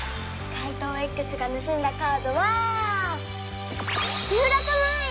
怪盗Ｘがぬすんだカードは１６まい！